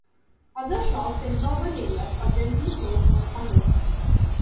Other shops in urban areas are generally closed on Sundays.